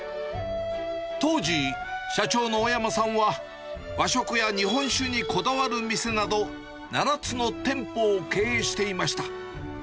当時、社長の尾山さんは、和食や日本酒にこだわる店など、７つの店舗を経営していました。